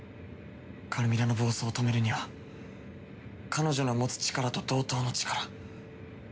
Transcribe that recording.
カルミラの暴走を止めるには彼女の持つ力と同等の力